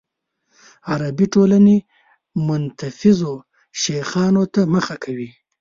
عربي ټولنې متنفذو شیخانو ته مخه کوي.